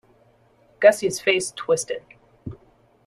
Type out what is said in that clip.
Gussie's face twisted.